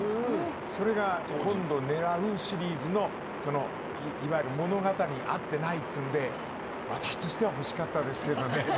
それが今度やるシリーズの物語に合っていないということで私としては欲しかったですけどね。